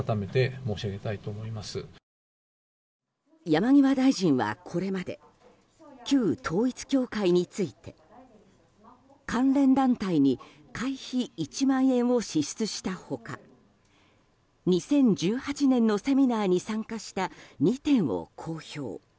山際大臣はこれまで旧統一教会について関連団体に会費１万円を支出した他２０１８年のセミナーに参加した２点を公表。